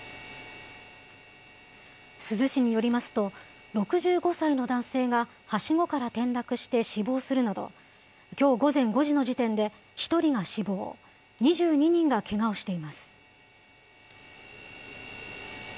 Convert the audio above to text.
珠洲市によりますと、６５歳の男性が、はしごから転落して死亡するなど、きょう午前５時の時点で１人が死亡、２２人がけがをしています。